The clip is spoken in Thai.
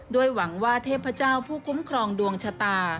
หวังว่าเทพเจ้าผู้คุ้มครองดวงชะตา